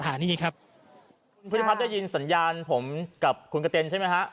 คุณภูมิภัทรได้ยินสัญญาณผมกับคุณกระเต็นใช่ไหมครับ